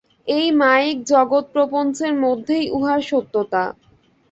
এই মায়িক জগৎপ্রপঞ্চের মধ্যেই উহার সত্যতা।